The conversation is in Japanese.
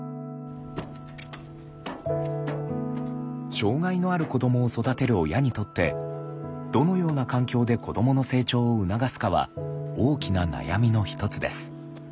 障害のある子どもを育てる親にとってどのような環境で子どもの成長を促すかは大きな悩みの一つです。